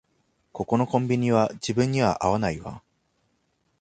ここのコンビニは自分には合わないわ